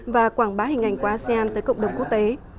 và quảng bá hình ảnh của asean tới cộng đồng quốc tế